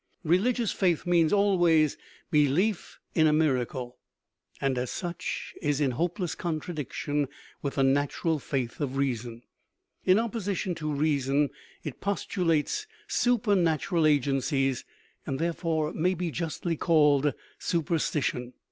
Religious faith means always belief in a mira cle, and as such is in hopeless contradiction with the natural faith of reason. In opposition to reason it pos tulates supernatural agencies, and, therefore, may be justly called superstition.